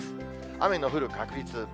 雨の降る確率。